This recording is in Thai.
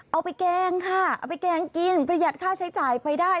แกงค่ะเอาไปแกงกินประหยัดค่าใช้จ่ายไปได้